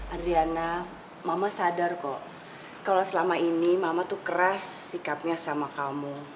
adriana mama sadar kok kalau selama ini mama tuh keras sikapnya sama kamu